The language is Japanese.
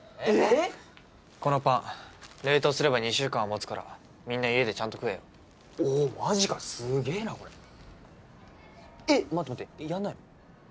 このパン冷凍すれば２週間はもつからみんな家でちゃんと食えよおおマジかすげえなこれえっ待って待ってやんないの？